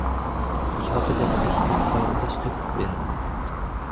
Ich hoffe, der Bericht wird voll unterstützt werden.